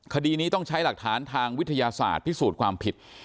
คดีนี้ต้องใช้หลักฐานทางวิทยาศาสตร์พิสูจน์ความผิด